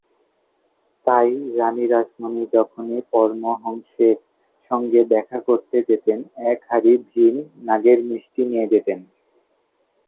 তাই রাণী রাসমণি যখনই পরমহংসের সঙ্গে দেখা করতে যেতেন এক হাঁড়ি ভীম নাগের মিষ্টি নিয়ে যেতেন।